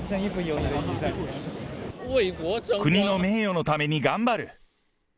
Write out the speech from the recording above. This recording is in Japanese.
国の名誉のために頑張る。